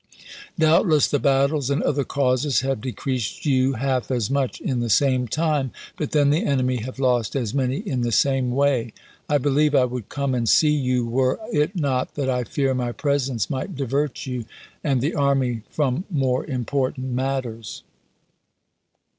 Doubtless the battles, and other causes, have decreased you half as much in the same time ; but then the enemy have lost as many in the same way. I believe I would come and see you were it not that I fear my presence might divert you and the MS. army from more important matters.